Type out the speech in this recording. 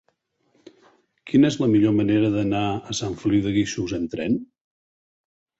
Quina és la millor manera d'anar a Sant Feliu de Guíxols amb tren?